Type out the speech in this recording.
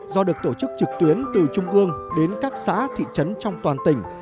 do được tổ chức trực tuyến từ trung ương đến các xã thị trấn trong toàn tỉnh